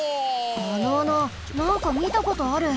あの穴なんかみたことある。